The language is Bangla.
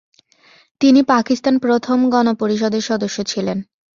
তিনি পাকিস্তান প্রথম গণপরিষদের সদস্য ছিলেন।